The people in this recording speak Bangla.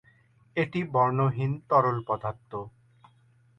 এটি বর্ণহীন তরল পদার্থ।